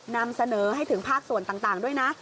นำเสนอให้ถึงภาคส่วนต่างด้วยนะ